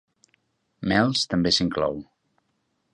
Mells també s'inclou.